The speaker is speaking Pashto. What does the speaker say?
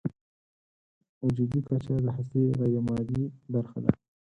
وجودي کچه د هستۍ غیرمادي برخه ده.